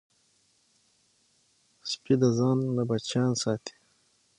سپي د ځان نه بچیان ساتي.